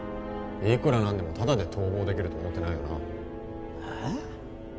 いくら何でもタダで逃亡できると思ってないよなああ？